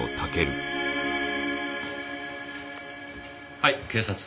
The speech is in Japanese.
はい警察。